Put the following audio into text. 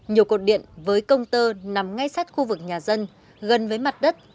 nhiều cột điện với công tơ nằm ngay sát khu vực nhà dân gần với mặt đất